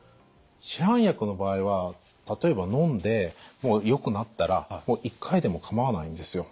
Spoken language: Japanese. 市販薬の場合は例えばのんでよくなったら１回でもかまわないんですよ。